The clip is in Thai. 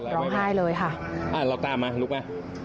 ขอมือลองไห้เลยค่ะ